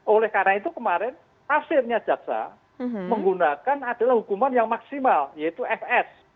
oleh karena itu kemarin hasilnya jaksa menggunakan adalah hukuman yang maksimal yaitu fs